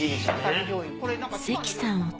関さん